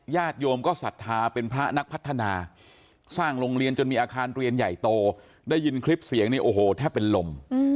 โยมก็ศรัทธาเป็นพระนักพัฒนาสร้างโรงเรียนจนมีอาคารเรียนใหญ่โตได้ยินคลิปเสียงนี้โอ้โหแทบเป็นลม